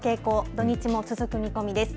土日も続く見込みです。